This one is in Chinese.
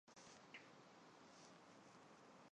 福坦莫法学院授予法律博士学位。